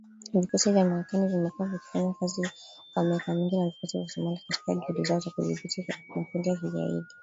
Vikosi vya Marekani vimekuwa vikifanya kazi kwa miaka mingi na vikosi vya Somalia katika juhudi zao za kudhibiti makundi ya kigaidi.